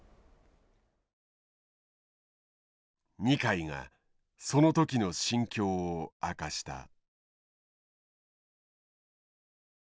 二階がその時の心境を明かした。